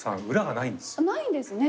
ないんですね？